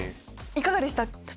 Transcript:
いかがでした？